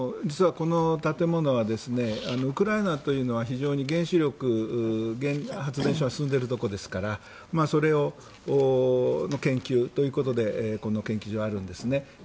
実は、この建物はウクライナというのは非常に原子力発電所が進んでいるところですからそれの研究ということでこの研究所はあるんです。